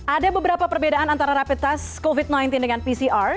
ada beberapa perbedaan antara rapid test covid sembilan belas dengan pcr